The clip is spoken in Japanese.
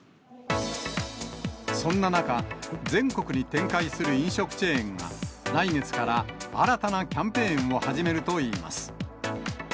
そんな中、全国に展開する飲食チェーンが、来月から新たなキャンペーンを始めるといいます。